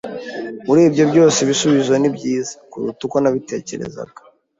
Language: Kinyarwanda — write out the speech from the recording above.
Urebye byose, ibisubizo nibyiza kuruta uko nabitekerezaga.